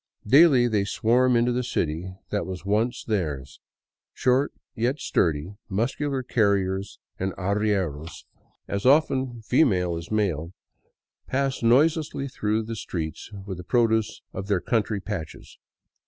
Daily they swarm into the city that was once theirs. Short, yet sturdy, muscular carriers and arrieros, as often 27 VAGABONDING DOWN THE ANDES female as male, pass noiselessly through the streets with the produce of their country patches.